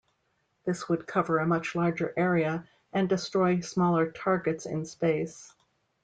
This would cover a much larger area, and destroy smaller targets in space.